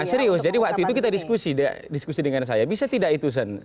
ya serius jadi waktu itu kita diskusi dengan saya bisa tidak itu